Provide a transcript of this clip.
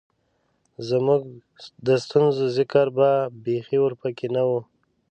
زمونږ د ستونزو ذکــــــر به بېخي ورپکښې نۀ وۀ